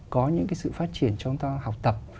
có những cái sự phát triển cho chúng ta học tập